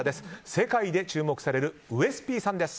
世界で注目されるウエスＰさんです。